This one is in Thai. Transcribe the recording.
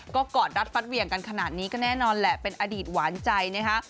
ก็กอดรัดฟัดเหวี่ยงกันขนาดนี้ก็แน่นอนแหละเป็นอดีตหวานใจนะคะ